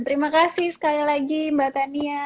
terima kasih sekali lagi mbak tania